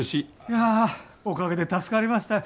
いやあおかげで助かりました。